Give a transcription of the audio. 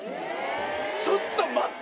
ちょっと待って！